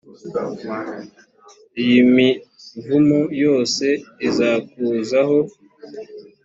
iyi mivumo yose izakuzaho